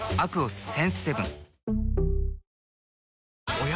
おや？